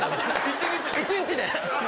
１日で。